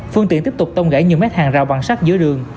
phương tiện tiếp tục tông gãy nhiều mét hàng rào bằng sắt giữa đường